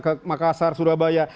ke makassar surabaya